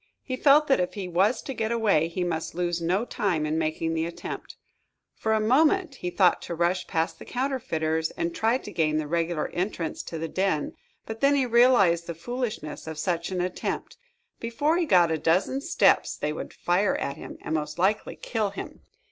He felt that if he was to get away he must lose no time in making the attempt. For a moment he thought to rush past the counterfeiters and try to gain the regular entrance to the den, but then he realized the foolishness of such an attempt. Before he got a dozen steps, they would fire at him, and, most likely, kill him.